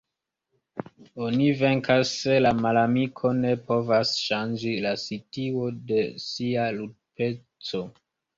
Oni venkas se la malamiko ne povas ŝanĝi la situon de sia L-ludpeco.